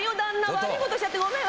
悪いことしちゃってごめん。